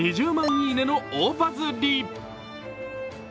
「いいね」の大バズリ。